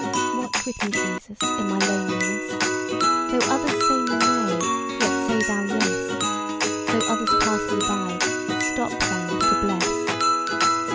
Watch with me, Jesus, in my loneliness: Though others say me nay, yet say Thou yes; Though others pass me by, stop Thou to bless.